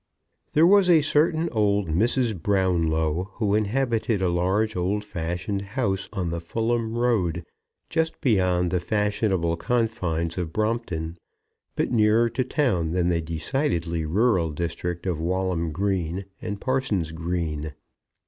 There was a certain old Mrs. Brownlow, who inhabited a large old fashioned house on the Fulham Road, just beyond the fashionable confines of Brompton, but nearer to town than the decidedly rural district of Walham Green and Parson's Green.